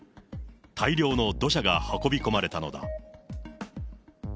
大量の土砂が運び込まれたのだ。